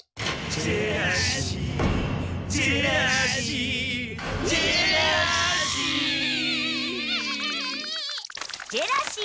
ジェラシージェラシージェラシー！